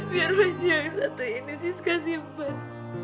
biar baju yang satu ini siska simpan